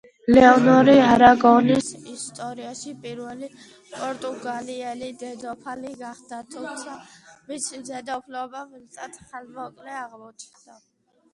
ლეონორი არაგონის ისტორიაში პირველი პორტუგალიელი დედოფალი გახდა, თუმცა მისი დედოფლობა მეტად ხანმოკლე აღმოჩნდა.